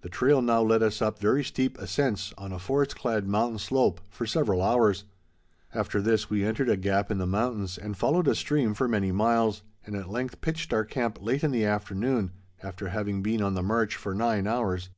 The trail now led us up very steep ascents on a forest clad mountain slope for several hours. After this we entered a gap in the mountains and followed a stream for many miles, and at length pitched our camp late in the afternoon, after having been on the march for nine hours.